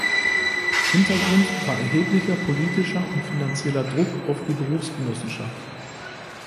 Hintergrund war erheblicher politischer und finanzieller Druck auf die Berufsgenossenschaft.